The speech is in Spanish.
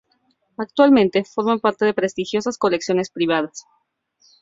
Actualmente forman parte de prestigiosas colecciones privadas.